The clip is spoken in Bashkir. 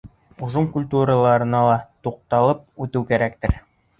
Ужым культураларына ла туҡталып үтеү кәрәктер.